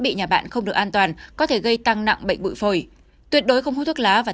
bị nhà bạn không được an toàn có thể gây tăng nặng bệnh bụi phổi tuyệt đối không hút thuốc lá và